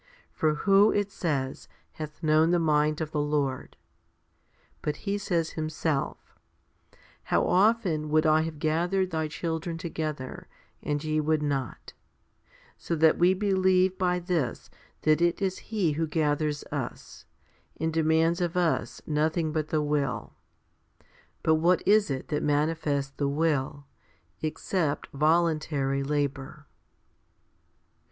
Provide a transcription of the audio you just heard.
For who, it says, hath known the mind of the Lord? 3 But He says Himself, 1 Gal. vi. 17. 2 Phil. ii. 13. 3 Rom. xi. 34. 256 FIFTY SPIRITUAL HOMILIES How often would I have gathered thy children together, and ye would not, 1 so that we believe by this that it is He who gathers us, and demands of us nothing but the will. But what is it that manifests the will, except voluntary labour